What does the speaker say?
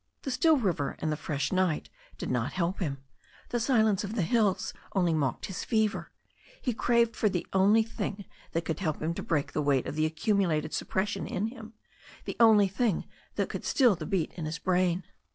The still river and the fresh night did not help him. The silence of the hills only mocked his fever. He craved for the only thing that could help him to break the weight of the accumulated suppression in him, the only thing that could still the beat in his brain.